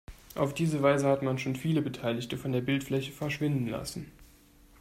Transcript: Auf diese Weise hat man schon viele Beteiligte von der Bildfläche verschwinden lassen.